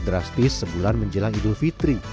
drastis sebulan menjelang idul fitri